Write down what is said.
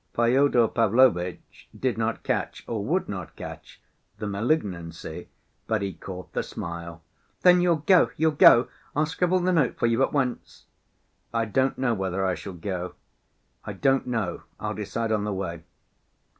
Fyodor Pavlovitch did not catch, or would not catch, the malignancy, but he caught the smile. "Then you'll go, you'll go? I'll scribble the note for you at once." "I don't know whether I shall go. I don't know. I'll decide on the way."